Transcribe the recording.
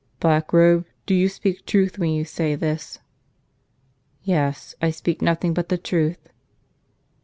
"Blackrobe, do you speak truth when you say this?" "Yes, I speak nothing but the truth."